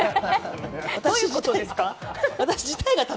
どういうことですか？